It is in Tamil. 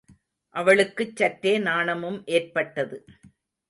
அவளுக்குச் சற்றே நாணமும் ஏற்பட்டது.